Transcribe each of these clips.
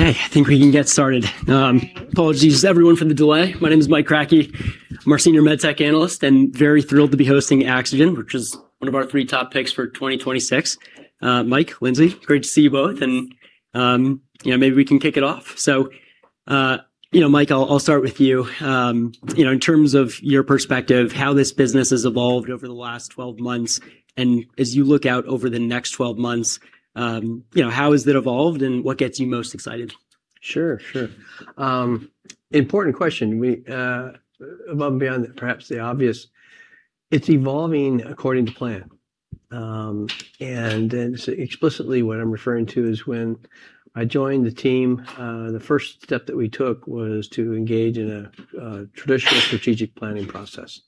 Okay, I think we can get started. Apologies everyone for the delay. My name is Mike Kratky. I'm our senior med tech analyst and very thrilled to be hosting AxoGen, which is 1 of our 3 top picks for 2026. Mike, Lindsey, great to see you both. You know, maybe we can kick it off. You know, Mike, I'll start with you. You know, in terms of your perspective, how this business has evolved over the last 12 months, and as you look out over the next 12 months, you know, how has it evolved and what gets you most excited? Sure. Important question. We, above and beyond perhaps the obvious, it's evolving according to plan. Explicitly what I'm referring to is when I joined the team, the first step that we took was to engage in a traditional strategic planning process,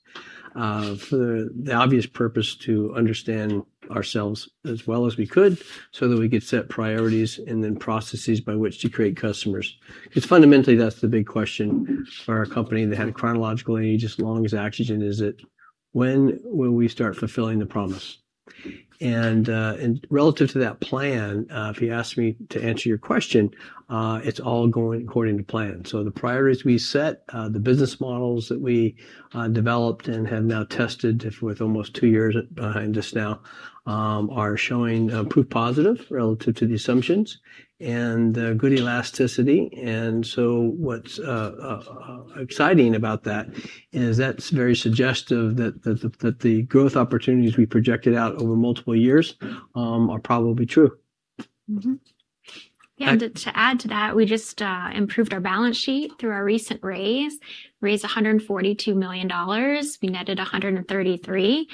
for the obvious purpose to understand ourselves as well as we could so that we could set priorities and then processes by which to create customers. 'Cause fundamentally, that's the big question for our company that had a chronological age as long as AxoGen, is that when will we start fulfilling the promise? Relative to that plan, if you ask me to answer your question, it's all going according to plan. The priorities we set, the business models that we developed and have now tested with almost 2 years behind us now, are showing proof positive relative to the assumptions and good elasticity. What's exciting about that is that's very suggestive that the growth opportunities we projected out over multiple years, are probably true. Mm-hmm. To add to that, we just improved our balance sheet through our recent raise. Raised $142 million. We netted $133 million.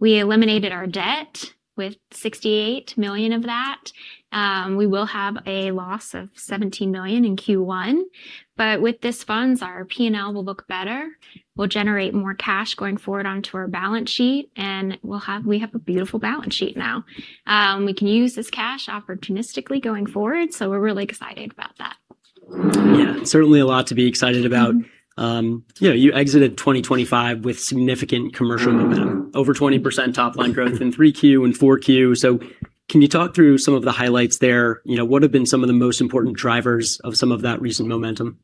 We eliminated our debt with $68 million of that. We will have a loss of $17 million in Q1, but with these funds, our P&L will look better. We'll generate more cash going forward onto our balance sheet, and we have a beautiful balance sheet now. We can use this cash opportunistically going forward, so we're really excited about that. Yeah. Certainly a lot to be excited about. you know, you exited 2025 with significant commercial momentum, over 20% top line growth in 3Q and 4Q. Can you talk through some of the highlights there? You know, what have been some of the most important drivers of some of that recent momentum?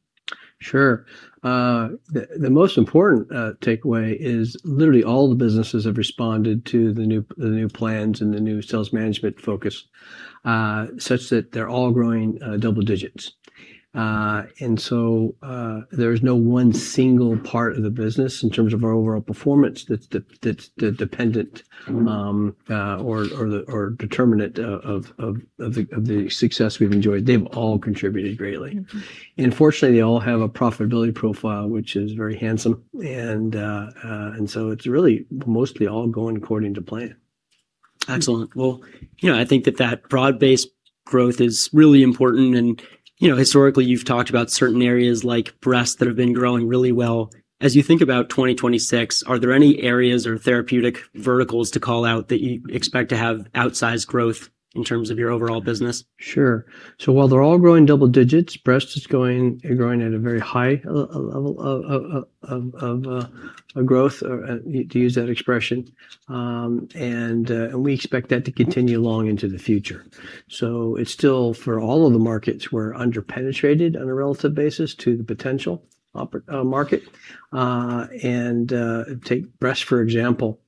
Sure. The most important takeaway is literally all the businesses have responded to the new plans and the new sales management focus, such that they're all growing double digits. There is no 1 single part of the business in terms of our overall performance that's de-dependent, or the, or determinant of the, of the success we've enjoyed. They've all contributed greatly. Fortunately, they all have a profitability profile, which is very handsome. It's really mostly all going according to plan. Excellent. Well, you know, I think that that broad-based growth is really important. You know, historically, you've talked about certain areas like breast that have been growing really well. As you think about 2026, are there any areas or therapeutic verticals to call out that you expect to have outsized growth in terms of your overall business? Sure. While they're all growing double digits, breast is growing at a very high level of a growth to use that expression. And we expect that to continue long into the future. It's still for all of the markets, we're under-penetrated on a relative basis to the potential market. And take breast for example.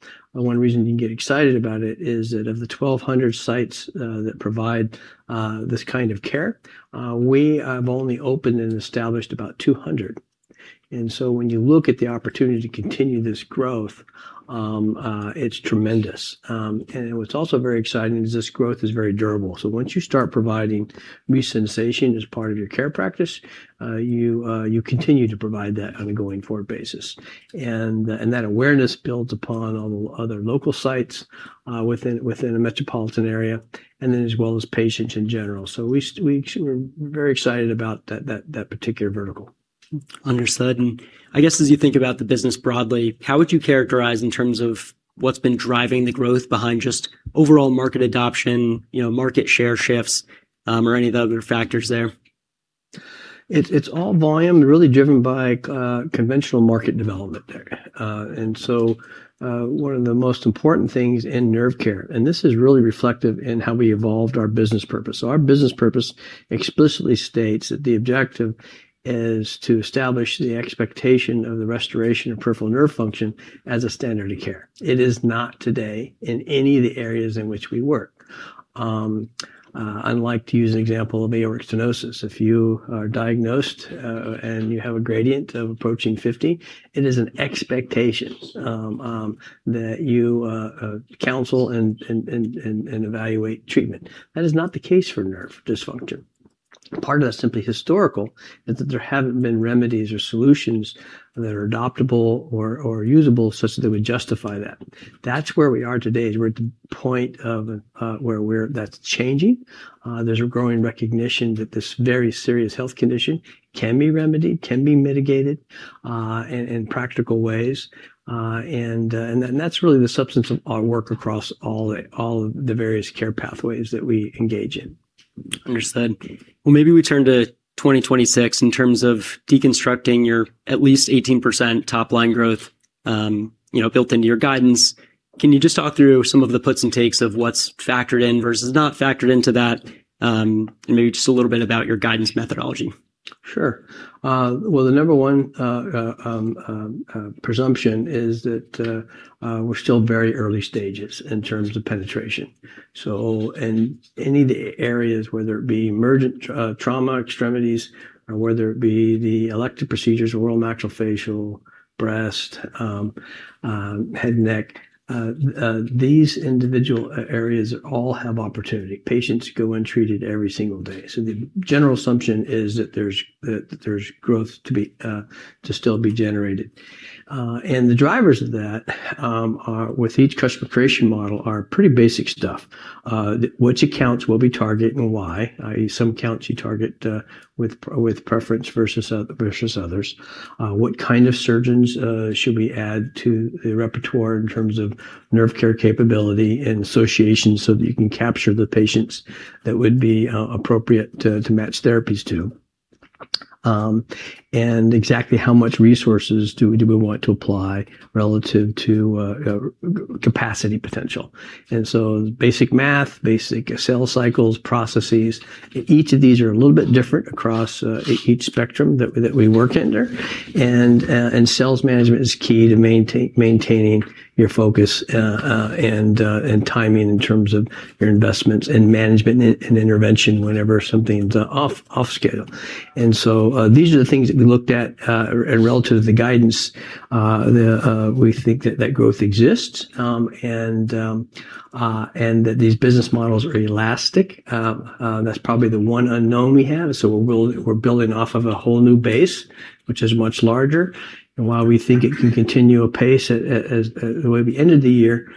1 reason you can get excited about it is that of the 1,200 sites that provide this kind of care, we have only opened and established about 200. When you look at the opportunity to continue this growth, it's tremendous. And what's also very exciting is this growth is very durable. Once you start providing Resensation as part of your care practice, you continue to provide that on a going-forward basis. That awareness builds upon all the other local sites within a metropolitan area and then as well as patients in general. We sure are very excited about that particular vertical. Understood. I guess as you think about the business broadly, how would you characterize in terms of what's been driving the growth behind just overall market adoption, you know, market share shifts, or any of the other factors there? It's all volume really driven by conventional market development there. One of the most important things in nerve care, and this is really reflective in how we evolved our business purpose. Our business purpose explicitly states that the objective is to establish the expectation of the restoration of peripheral nerve function as a standard of care. It is not today in any of the areas in which we work. I'd like to use an example of aortic stenosis. If you are diagnosed, and you have a gradient of approaching 50, it is an expectation that you counsel and evaluate treatment. That is not the case for nerve dysfunction. Part of that's simply historical, is that there haven't been remedies or solutions that are adoptable or usable such that they would justify that. That's where we are today, is we're at the point where that's changing. There's a growing recognition that this very serious health condition can be remedied, can be mitigated, in practical ways. That's really the substance of our work across all of the various care pathways that we engage in. Understood. Well, maybe we turn to 2026 in terms of deconstructing your at least 18% top-line growth. You know, built into your guidance, can you just talk through some of the puts and takes of what's factored in versus not factored into that, and maybe just a little bit about your guidance methodology? Sure. Well, the number 1 presumption is that we're still very early stages in terms of penetration. In any of the areas, whether it be emergent trauma extremities or whether it be the elective procedures, oral maxillofacial, breast, head and neck, these individual areas all have opportunity. Patients go untreated every single day. The general assumption is that there's growth to still be generated. The drivers of that are with each customer creation model are pretty basic stuff. Which accounts we'll be targeting and why, i.e., some accounts you target with preference versus others. What kind of surgeons should we add to the repertoire in terms of nerve care capability and association so that you can capture the patients that would be appropriate to match therapies to. Exactly how much resources do we want to apply relative to capacity potential. Basic math, basic sales cycles, processes, each of these are a little bit different across each spectrum that we work under. Sales management is key to maintaining your focus and timing in terms of your investments and management and intervention whenever something's off schedule. These are the things that we looked at and relative to the guidance, we think that growth exists and that these business models are elastic. That's probably the 1 unknown we have. We're building off of a whole new base, which is much larger. While we think it can continue apace as the way we ended the year,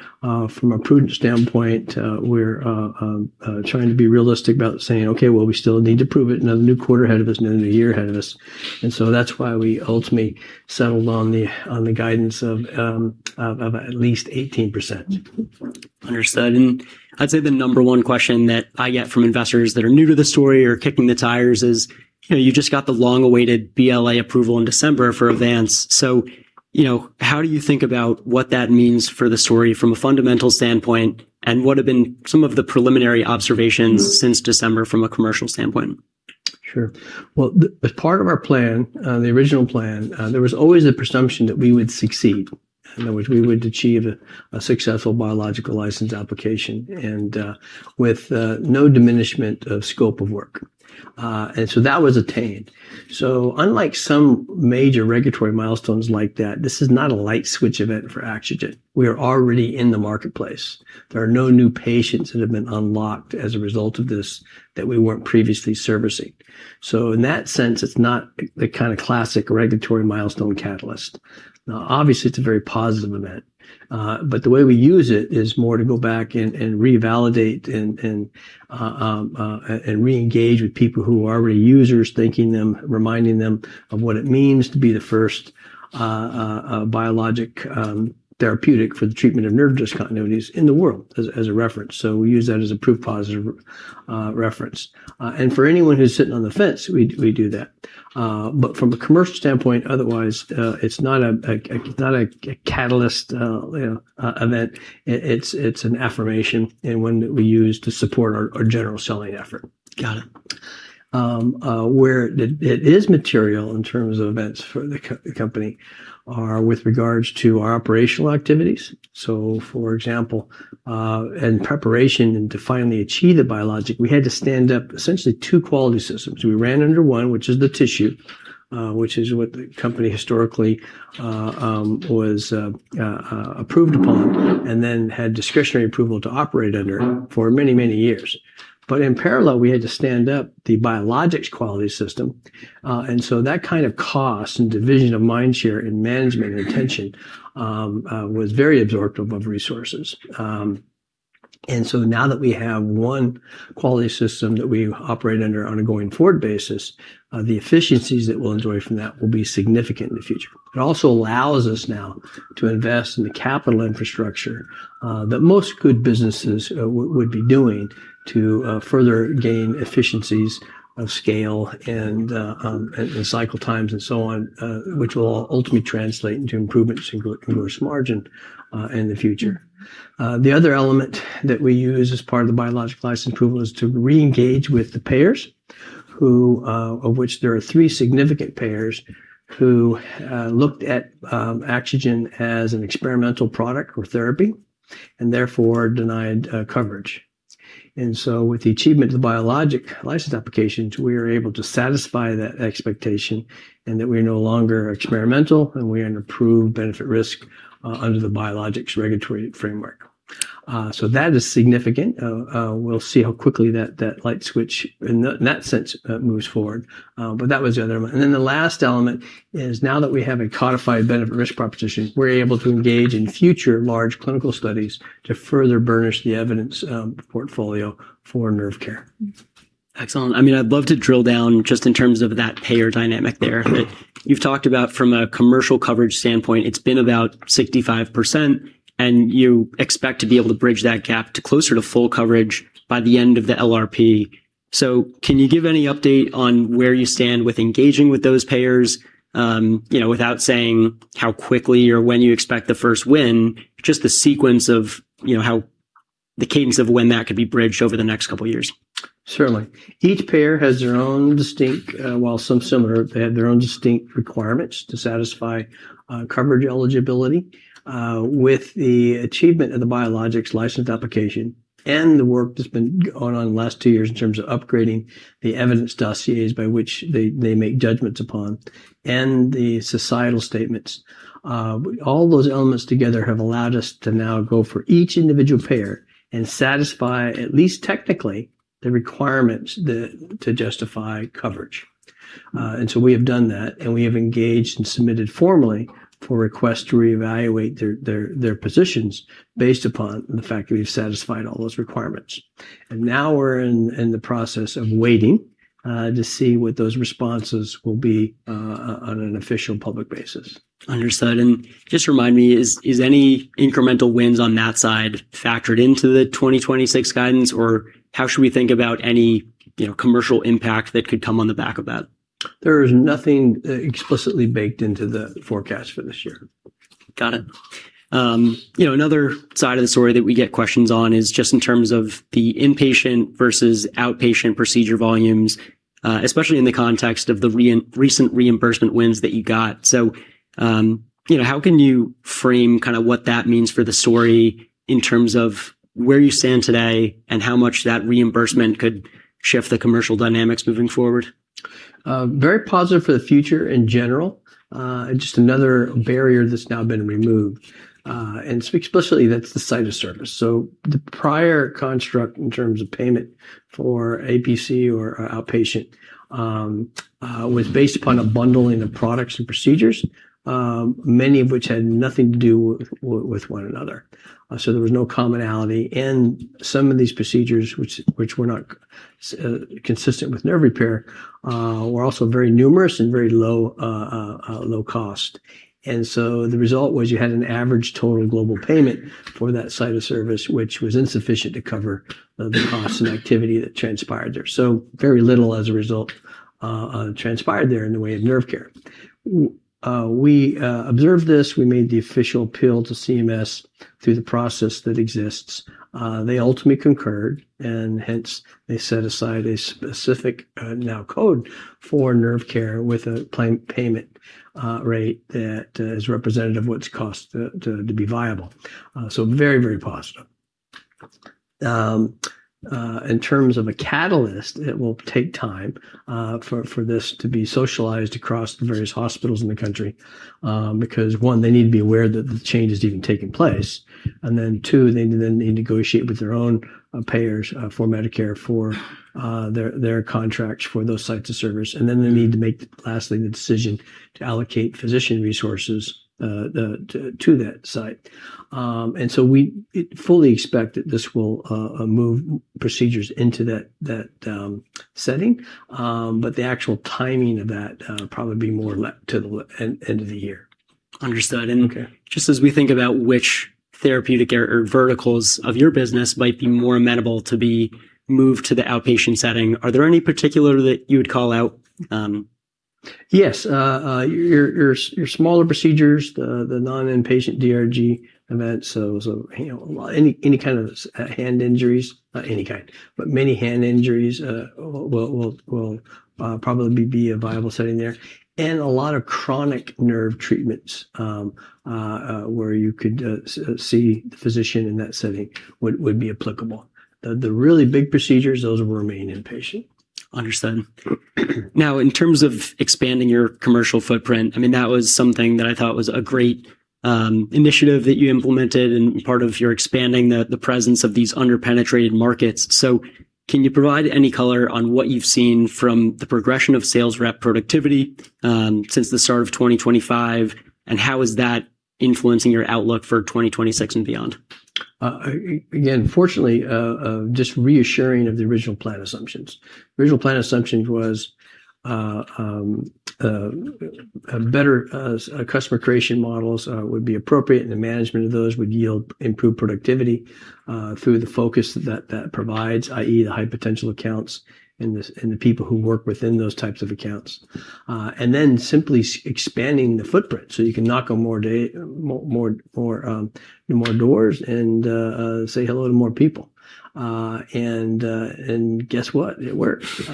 from a prudent standpoint, we're trying to be realistic about saying, "Okay, well, we still need to prove it in a new quarter ahead of us and a new year ahead of us." That's why we ultimately settled on the guidance of at least 18%. Understood. I'd say the number 1 question that I get from investors that are new to the story or kicking the tires is, you know, you just got the long-awaited BLA approval in December for AVANCE. you know, how do you think about what that means for the story from a fundamental standpoint? What have been some of the preliminary observations since December from a commercial standpoint? Sure. Well, as part of our plan, the original plan, there was always a presumption that we would succeed, in other words, we would achieve a successful Biologics License Application and with no diminishment of scope of work. That was attained. Unlike some major regulatory milestones like that, this is not a light switch event for AxoGen. We are already in the marketplace. There are no new patients that have been unlocked as a result of this that we weren't previously servicing. In that sense, it's not the kind of classic regulatory milestone catalyst. Obviously, it's a very positive event. The way we use it is more to go back and revalidate and reengage with people who are already users, thanking them, reminding them of what it means to be the first biologic therapeutic for the treatment of nerve discontinuities in the world as a reference. We use that as a proof positive reference. For anyone who's sitting on the fence, we do that. From a commercial standpoint, otherwise, it's not a catalyst, you know, event. It's an affirmation and 1 that we use to support our general selling effort. Got it. Where it is material in terms of events for the company are with regards to our operational activities. For example, in preparation and to finally achieve the biologic, we had to stand up essentially 2 quality systems. We ran under one, which is the tissue, which is what the company historically was approved upon and then had discretionary approval to operate under for many, many years. In parallel, we had to stand up the biologics quality system. That kind of cost and division of mind share and management and attention was very absorptive of resources. Now that we have 1 quality system that we operate under on a going-forward basis, the efficiencies that we'll enjoy from that will be significant in the future. It also allows us now to invest in the capital infrastructure that most good businesses would be doing to further gain efficiencies of scale and cycle times and so on, which will ultimately translate into improvements in gross margin in the future. The other element that we use as part of the Biologics license approval is to reengage with the payers who, of which there are 3 significant payers who looked at AxoGen as an experimental product or therapy and therefore denied coverage. With the achievement of the Biologics license applications, we are able to satisfy that expectation and that we're no longer experimental and we are an approved benefit risk under the biologics regulatory framework. That is significant. We'll see how quickly that light switch in that, in that sense, moves forward. That was the other one. The last element is now that we have a codified benefit risk proposition, we're able to engage in future large clinical studies to further burnish the evidence portfolio for nerve care. Excellent. I mean, I'd love to drill down just in terms of that payer dynamic there. Right. You've talked about from a commercial coverage standpoint, it's been about 65%, and you expect to be able to bridge that gap to closer to full coverage by the end of the LRP. Can you give any update on where you stand with engaging with those payers, you know, without saying how quickly or when you expect the first win, just the sequence of, you know, how the cadence of when that could be bridged over the next couple years? Certainly. Each payer has their own distinct, while some similar, they have their own distinct requirements to satisfy, coverage eligibility, with the achievement of the Biologics License Application and the work that's been going on the last 2 years in terms of upgrading the evidence dossiers by which they make judgments upon and the societal statements. All those elements together have allowed us to now go for each individual payer and satisfy, at least technically, the requirements to justify coverage. We have done that, and we have engaged and submitted formally for requests to reevaluate their positions based upon the fact that we've satisfied all those requirements. Now we're in the process of waiting to see what those responses will be on an official public basis. Understood. just remind me, is any incremental wins on that side factored into the 2026 guidance, or how should we think about any, you know, commercial impact that could come on the back of that? There is nothing explicitly baked into the forecast for this year. Got it. you know, another side of the story that we get questions on is just in terms of the inpatient versus outpatient procedure volumes, especially in the context of the recent reimbursement wins that you got. you know, how can you frame kind of what that means for the story in terms of where you stand today and how much that reimbursement could shift the commercial dynamics moving forward? Very positive for the future in general, and just another barrier that's now been removed, and to speak explicitly, that's the site of service. The prior construct in terms of payment for APC or outpatient, was based upon a bundling of products and procedures, many of which had nothing to do with one another. There was no commonality. Some of these procedures which were not consistent with nerve repair, were also very numerous and very low low cost. The result was you had an average total global payment for that site of service, which was insufficient to cover the costs and activity that transpired there. Very little as a result, transpired there in the way of nerve care. We observed this, we made the official appeal to CMS through the process that exists. They ultimately concurred, and hence they set aside a specific, now code for nerve care with a plain payment rate that is representative of what's cost to be viable. Very, very positive. In terms of a catalyst, it will take time for this to be socialized across the various hospitals in the country, because 1, they need to be aware that the change has even taken place, and then 2, they need to negotiate with their own payers, for Medicare, for their contracts for those sites of service, and then they need to make lastly the decision to allocate physician resources to that site. We fully expect that this will move procedures into that setting, but the actual timing of that will probably be more to the end of the year. Understood. Okay. Just as we think about which therapeutic or verticals of your business might be more amenable to be moved to the outpatient setting, are there any particular that you would call out? Yes. Your smaller procedures, the non-inpatient DRG events, so, you know, any kind of hand injuries, any kind, but many hand injuries, will probably be a viable setting there. A lot of chronic nerve treatments, where you could see the physician in that setting would be applicable. The really big procedures, those will remain inpatient. Understood. In terms of expanding your commercial footprint, I mean, that was something that I thought was a great initiative that you implemented and part of your expanding the presence of these under-penetrated markets. Can you provide any color on what you've seen from the progression of sales rep productivity since the start of 2025, and how is that influencing your outlook for 2026 and beyond? Again, fortunately, just reassuring of the original plan assumptions. The original plan assumptions was a better customer creation models would be appropriate, and the management of those would yield improved productivity through the focus that provides, i.e., the high potential accounts and the people who work within those types of accounts. Then simply expanding the footprint, so you can knock on more doors and say hello to more people. Guess what? It works.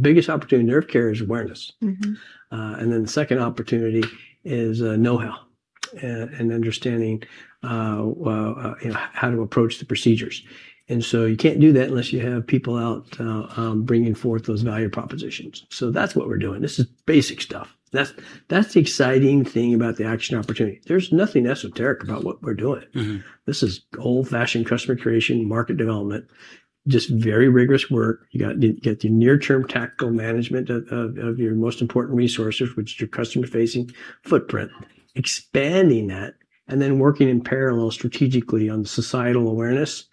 Biggest opportunity in nerve care is awareness. Mm-hmm. The second opportunity is, know-how and understanding, you know, how to approach the procedures. You can't do that unless you have people out, bringing forth those value propositions. That's what we're doing. This is basic stuff. That's the exciting thing about the AxoGen opportunity. There's nothing esoteric about what we're doing. Mm-hmm. This is old-fashioned customer creation, market development, just very rigorous work. You got to get your near-term tactical management of your most important resources, which is your customer-facing footprint, expanding that, and then working in parallel strategically on societal awareness,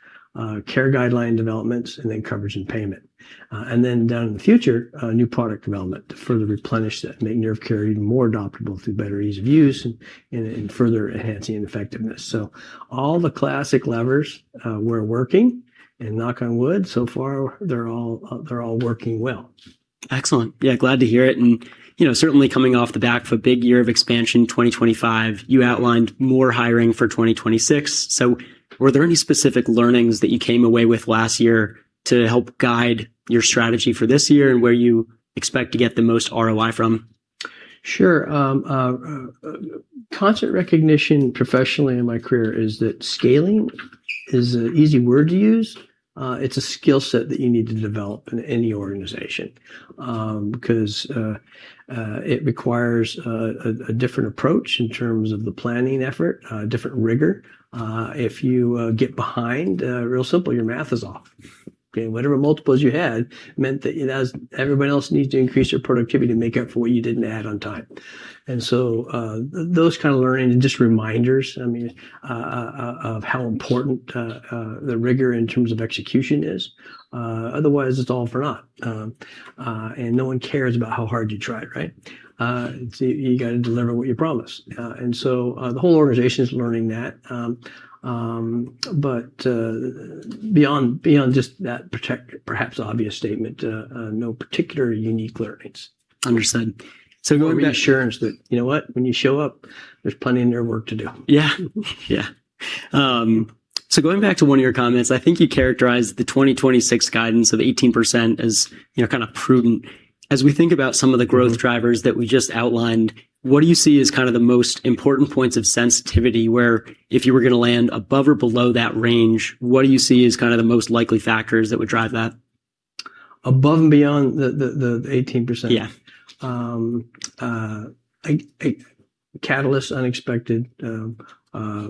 care guideline developments, and then coverage and payment. Then down the future, new product development to further replenish that, make nerve care even more adoptable through better ease of use and further enhancing effectiveness. All the classic levers, we're working, and knock on wood, so far they're all working well. Excellent. Yeah, glad to hear it. You know, certainly coming off the back of a big year of expansion, 2025, you outlined more hiring for 2026. Were there any specific learnings that you came away with last year to help guide your strategy for this year and where you expect to get the most ROI from? Sure. Constant recognition professionally in my career is that scaling is an easy word to use. It's a skill set that you need to develop in any organization, because it requires a different approach in terms of the planning effort, a different rigor. If you get behind, real simple, your math is off. Okay? Whatever multiples you had meant that you now everybody else needs to increase their productivity to make up for what you didn't add on time. And so, those kind of learnings and just reminders, I mean, of how important the rigor in terms of execution is. Otherwise, it's all for naught. And no one cares about how hard you tried, right? So you gotta deliver what you promised. The whole organization is learning that. Beyond just that protect perhaps obvious statement, no particular unique learnings. Understood. Assurance that you know what? When you show up, there's plenty of nerve work to do. Yeah. Going back to one of your comments, I think you characterized the 2026 guidance of 18% as, you know, kind of prudent. As we think about some of the growth drivers that we just outlined, what do you see as kind of the most important points of sensitivity where if you were gonna land above or below that range, what do you see as kind of the most likely factors that would drive that? Above and beyond the 18%? Yeah. A catalyst unexpected, for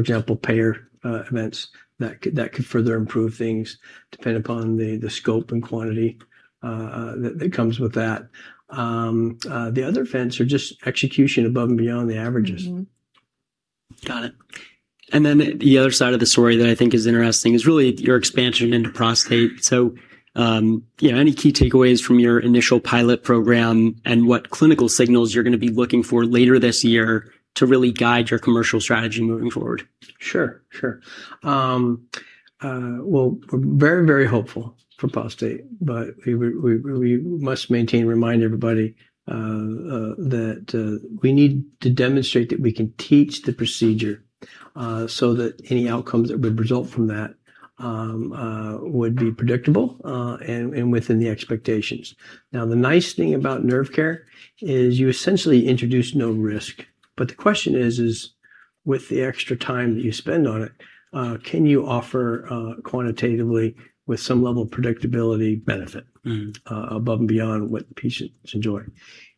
example, payer events that could further improve things depending upon the scope and quantity that comes with that. The other events are just execution above and beyond the averages. Mm-hmm. Got it. The other side of the story that I think is interesting is really your expansion into prostate. Yeah, any key takeaways from your initial pilot program and what clinical signals you're going to be looking for later this year to really guide your commercial strategy moving forward? Sure. Well, we're very, very hopeful for prostate, but we must maintain and remind everybody that we need to demonstrate that we can teach the procedure so that any outcomes that would result from that would be predictable and within the expectations. Now, the nice thing about nerve care is you essentially introduce no risk. The question is with the extra time that you spend on it, can you offer quantitatively with some level of predictability? Mm. Above and beyond what the patients enjoy?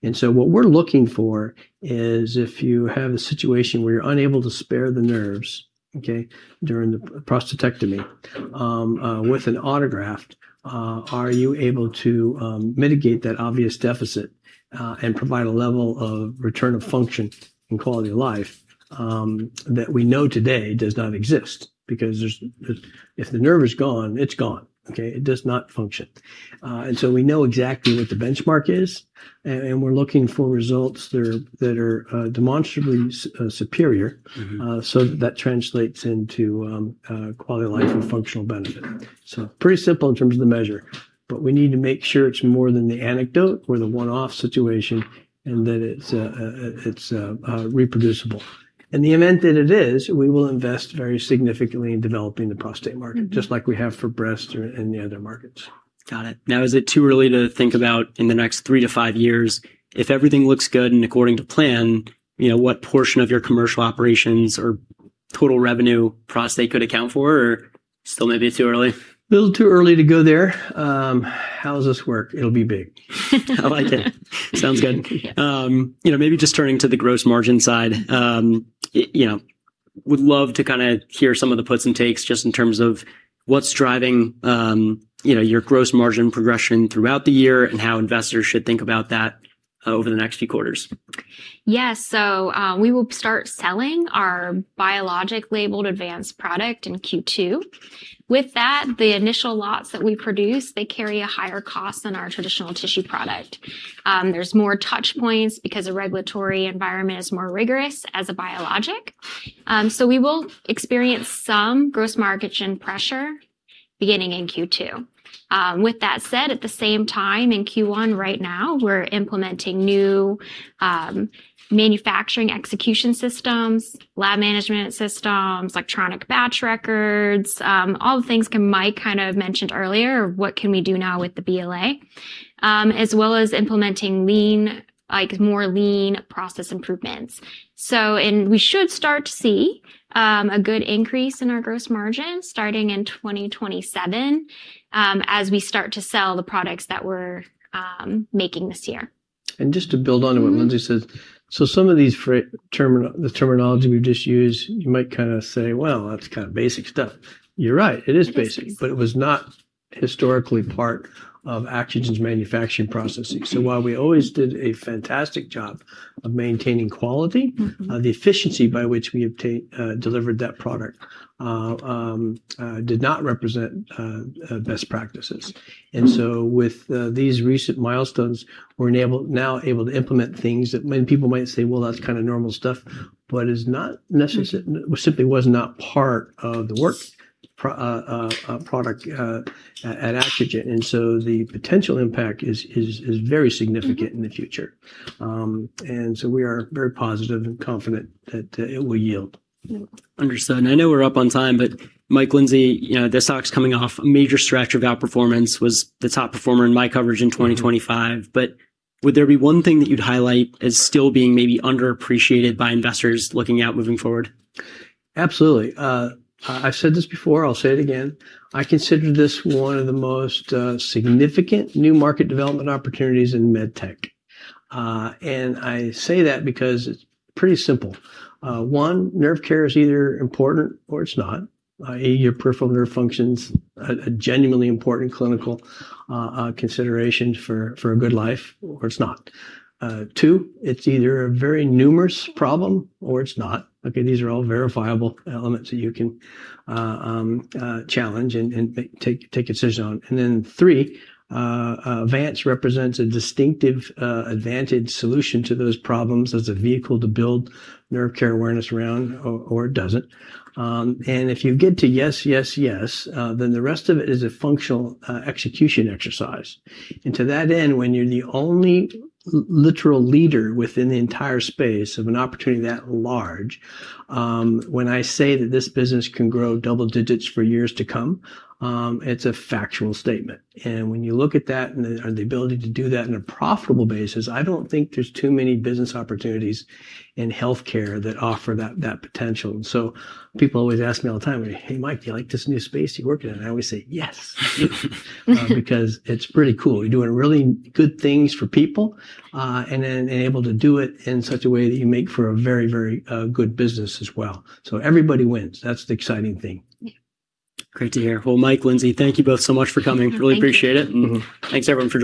What we're looking for is if you have a situation where you're unable to spare the nerves, okay, during the prostatectomy, with an autograft, are you able to mitigate that obvious deficit, and provide a level of return of function and quality of life, that we know today does not exist? Because if the nerve is gone, it's gone. Okay. It does not function. We know exactly what the benchmark is, and we're looking for results that are demonstrably superior. Mm-hmm. That translates into quality of life and functional benefit. Pretty simple in terms of the measure, but we need to make sure it's more than the anecdote or the one-off situation and that it's reproducible. In the event that it is, we will invest very significantly in developing the prostate market, just like we have for breast or any other markets. Got it. Is it too early to think about in the next 3-5 years if everything looks good and according to plan, you know, what portion of your commercial operations or total revenue prostate could account for, or still maybe too early? A little too early to go there. How does this work? It'll be big. I like it. Sounds good. You know, maybe just turning to the gross margin side. You know, would love to kind of hear some of the puts and takes just in terms of what's driving, you know, your gross margin progression throughout the year and how investors should think about that over the next few quarters. Yes. We will start selling our biologic labeled AVANCE product in Q2. With that, the initial lots that we produce, they carry a higher cost than our traditional tissue product. There's more touch points because the regulatory environment is more rigorous as a biologic. We will experience some gross margin pressure beginning in Q2. With that said, at the same time in Q1 right now, we're implementing new manufacturing execution systems, lab management systems, Electronic Batch Records, all the things Mike kind of mentioned earlier, what can we do now with the BLA, as well as implementing Lean, like more Lean process improvements. We should start to see a good increase in our gross margin starting in 2027, as we start to sell the products that we're making this year. Just to build on to what Lindsey says. Some of these the terminology we've just used, you might kind of say, "Well, that's kind of basic stuff." You're right. It is basic. It is basic. it was not historically part of AxoGen's manufacturing processing. while we always did a fantastic job of maintaining quality. Mm-hmm. The efficiency by which we delivered that product did not represent best practices. With these recent milestones, we're now able to implement things that many people might say, "Well, that's kind of normal stuff," but is not simply was not part of the work. A product at AxoGen. The potential impact is very significant in the future. We are very positive and confident that it will yield. Understood. I know we're up on time, Mike, Lindsey, you know, this stock's coming off a major stretch of outperformance, was the top performer in my coverage in 2025. Would there be one thing that you'd highlight as still being maybe underappreciated by investors looking out moving forward? Absolutely. I've said this before, I'll say it again, I consider this one of the most significant new market development opportunities in med tech. I say that because it's pretty simple. 1, nerve care is either important or it's not. Your peripheral nerve function's a genuinely important clinical consideration for a good life or it's not. 2, it's either a very numerous problem or it's not. Okay, these are all verifiable elements that you can challenge and take a decision on. 3, AVANCE represents a distinctive advantage solution to those problems as a vehicle to build nerve care awareness around or it doesn't. If you get to yes, yes, then the rest of it is a functional execution exercise. To that end, when you're the only literal leader within the entire space of an opportunity that large, when I say that this business can grow double digits for years to come, it's a factual statement. When you look at that and the ability to do that in a profitable basis, I don't think there's too many business opportunities in healthcare that offer that potential. People always ask me all the time, "Hey, Mich, do you like this new space you're working in?" I always say, "Yes." Because it's pretty cool. You're doing really good things for people, and then able to do it in such a way that you make for a very, very good business as well. Everybody wins. That's the exciting thing. Great to hear. Well, Mich, Lindsey, thank you both so much for coming. Thank you. Really appreciate it. Mm-hmm. Thanks everyone for joining us.